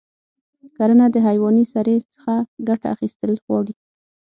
کرنه د حیواني سرې څخه ګټه اخیستل غواړي.